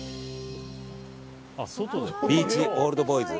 ビーチオールドボーイズ